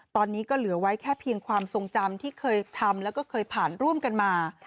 ตอนนี้ก็เหลือไว้แค่เพียงความทรงจำที่เคยทำแล้วก็เคยผ่านร่วมกันมา